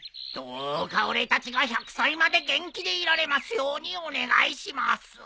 どうか俺たちが１００歳まで元気でいられますようにお願いします。